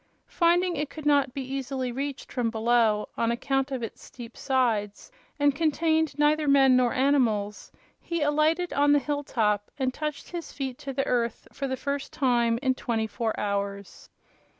Finding it could not be easily reached from below, on account of its steep sides, and contained neither men nor animals, he alighted on the hill top and touched his feet to the earth for the first time in twenty four hours.